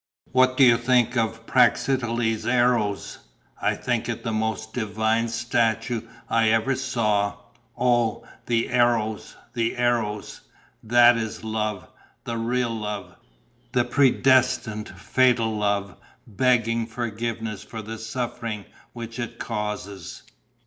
What do you think of Praxiteles' Eros? I think it the most divine statue that I ever saw. Oh, the Eros, the Eros! That is love, the real love, the predestined, fatal love, begging forgiveness for the suffering which it causes."